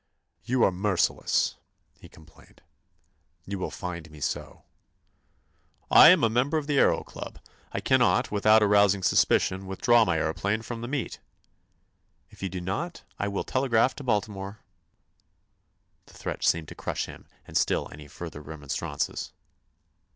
"You are merciless," he complained. "You will find me so." "I am a member of the Aëro Club. I cannot, without arousing suspicion, withdraw my aëroplane from the meet." "If you do not I will telegraph to Baltimore." The threat seemed to crush him and still any further remonstrances.